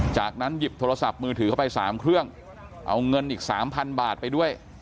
จากนั้นหยิบโทรศัพท์มือถือเข้าไป๓เครื่องเอาเงินอีก๓๐๐บาทไปด้วย